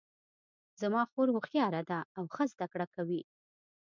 زما خور هوښیاره ده او ښه زده کړه کوي